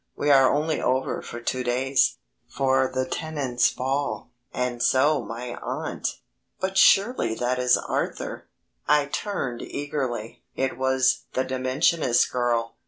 We are only over for two days for the Tenants' Ball, and so my aunt ... but surely that is Arthur...." I turned eagerly. It was the Dimensionist girl.